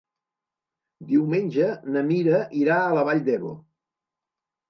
Diumenge na Mira irà a la Vall d'Ebo.